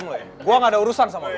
gue gak ada urusan sama